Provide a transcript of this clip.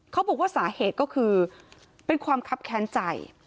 เขาบอกว่าสาเหตุก็คือเป็นความคับแค้นใจ